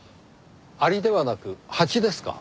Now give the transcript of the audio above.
アリではなくハチですか？